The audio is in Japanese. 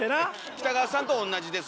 北川さんと同じです。